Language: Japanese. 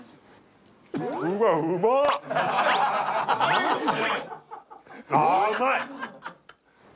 マジで？